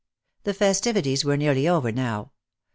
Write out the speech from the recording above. The festivities were nearly over now.